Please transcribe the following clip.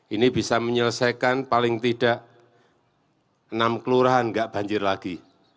ini bisa menyelesaikan paling tidak enam kelurahan nggak banjir lagi